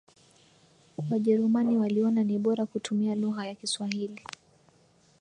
Wajerumani waliona ni bora kutumia lugha ya Kiswahili